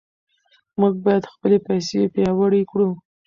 موږ باید خپلې پیسې پیاوړې کړو.